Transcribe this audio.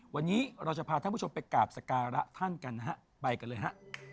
วันนี้เราจะพาท่านผู้ชมไปกราบสการะท่านกันนะฮะไปกันเลยฮะ